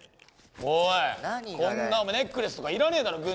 おいこんなネックレスとかいらねえだろ軍によ。